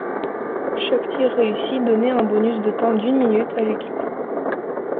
Chaque tir réussi donnait un bonus de temps d'une minute à l'équipe.